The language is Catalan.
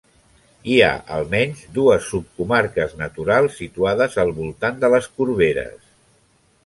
Hi ha almenys dues subcomarques naturals situades al voltant de les Corberes.